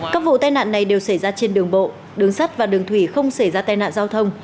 các vụ tai nạn này đều xảy ra trên đường bộ đường sắt và đường thủy không xảy ra tai nạn giao thông